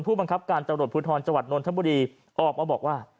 ผู้บังคับการตำรวจพุทธรจัวรณธรรมดีออกมาบอกว่า